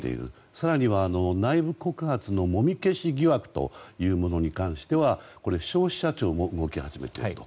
更には内部告発のもみ消し疑惑というものに関しては消費者庁も動き始めていると。